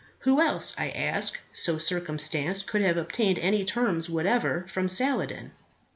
Who else, I ask, so circumstanced, could have obtained any terms whatever from Saladin?